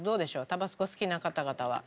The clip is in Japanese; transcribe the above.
タバスコ好きな方々は。